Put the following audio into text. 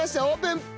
オープン！